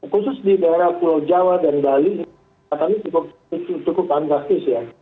khusus di daerah pulau jawa dan bali katanya cukup fantastis ya